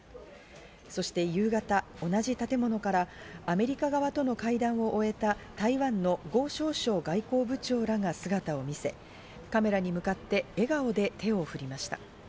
そして夕方、同じ建物からアメリカ側との会談を終えた台湾のゴ・ショウショウ外交部長らが姿を見せ、カメラに向かって笑顔で手を振りました。